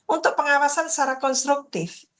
untuk pengawasan secara konstruktif